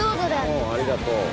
おおありがとう。